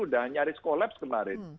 sudah nyaris kolaps kemarin